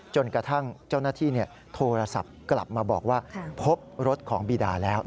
จนกระทั่งเจ้าหน้าที่โทรศัพท์กลับมาบอกว่าพบรถของบีดาแล้ว